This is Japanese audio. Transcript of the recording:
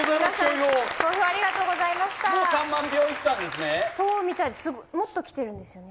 もう３万票いったんですね。